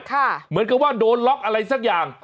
เหมือนกับว่าโดนล็อกอะไรสักอย่าง